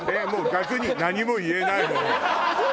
逆に何も言えないもう。